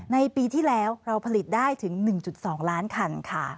ในปีที่แล้วเราผลิตได้ถึง๑๒ล้านคันค่ะ